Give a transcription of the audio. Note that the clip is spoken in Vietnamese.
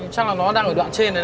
chắc là nó đang ở đoạn trên này đấy